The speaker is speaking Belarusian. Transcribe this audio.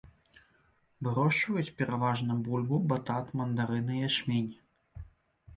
Вырошчваюць пераважна бульбу, батат, мандарыны, ячмень.